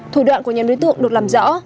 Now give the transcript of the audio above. thủ đoạn của nhà đối tượng được làm rõ